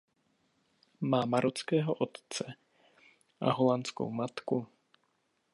Má marockého otce a holandskou matku.